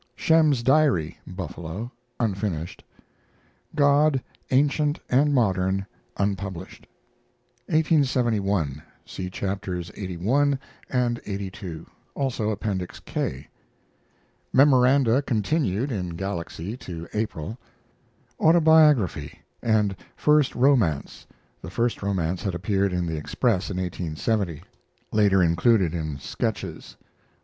SHEM'S DIARY (Buffalo) (unfinished). GOD, ANCIENT AND MODERN (unpublished). 1871. (See Chapters lxxxi and lxxxii; also Appendix K.) MEMORANDA continued in Galaxy to April. AUTOBIOGRAPHY AND FIRST ROMANCE [THE FIRST ROMANCE had appeared in the Express in 1870. Later included in SKETCHES.